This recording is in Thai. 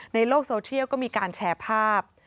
ในโลกโซเชียลก็มีการแชร์ภาพ